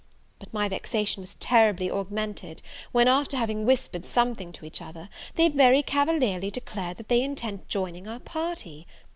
But my vexation was terribly augmented when, after having whispered something to each other, they very cavalierly declared, that they intended joining our party!